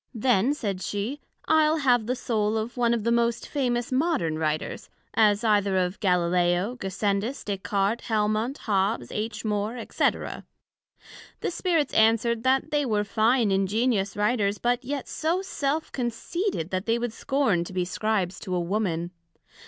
Then, said she, I'le have the Soul of one of the most famous modern Writers, as either of Galileo, Gassendus, Des Cartes, Helmont, Hobbes, H. More, &c. The Spirits answered, That they were fine ingenious Writers, but yet so self conceited, that they would scorn to be Scribes to a Woman.